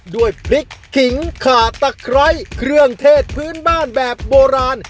ด้วยพริกขิงขาตะไคร้เครื่องเทศพื้นบ้านแบบโบราณ